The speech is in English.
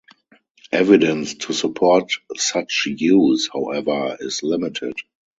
Evidence to support such use, however, is limited.